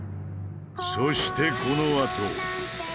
そしてこのあと。